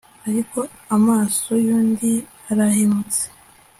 ariko amaso yundi arahumutse